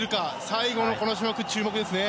最後のこの種目、注目ですね。